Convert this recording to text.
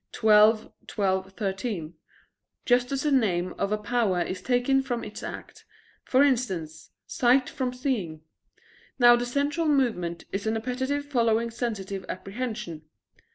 xii, 12, 13), just as the name of a power is taken from its act; for instance, sight from seeing. Now the sensual movement is an appetite following sensitive apprehension.